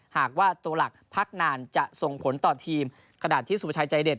หากว่าตัวหลักพักนานจะส่งผลต่อทีมขณะที่สุประชัยใจเด็